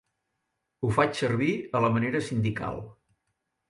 Ho faig servir a la manera sindical.